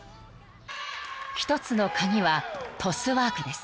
［１つの鍵はトスワークです］